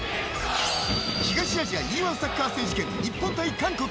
東アジアＥ‐１サッカー選手権日本対韓国。